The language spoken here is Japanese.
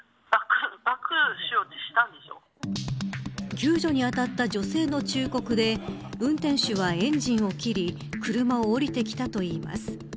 救助にあたった女性の忠告で運転手はエンジンを切り車を降りてきたといいます。